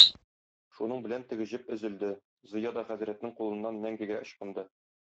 Шуның белән теге җеп өзелде, Зыя да хәзрәтнең кулыннан мәңгегә ычкынды...